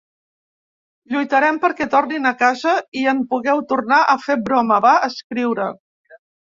Lluitarem perquè tornin a casa i en pugueu tornar a fer broma, va escriure.